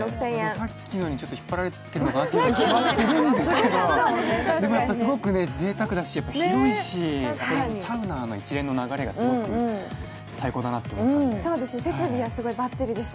さっきのに引っ張られてるのかなという気はするんですけど、すごくぜいたくだし、広いし、サウナの一連の流れがすごく最高だなと思いました。